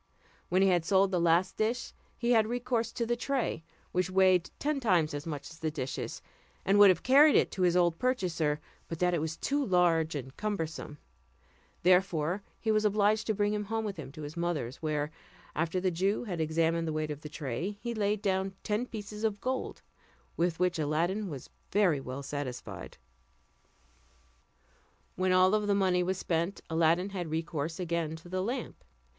When he had sold the last dish, he had recourse to the tray, which weighed ten times as much as the dishes, and would have carried it to his old purchaser, but that it was too large and cumbersome; therefore he was obliged to bring him home with him to his mother's, where, after the Jew had examined the weight of the tray, he laid down ten pieces of gold, with which Aladdin was very well satisfied. When all the money was spent, Aladdin had recourse again to the lamp.